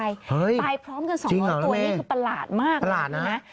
เฮ้ยจริงเหรอแล้วแม่พร้อมกัน๒๐๐ตัวนี่คือประหลาดมากนะครับนะฮะประหลาดน่ะ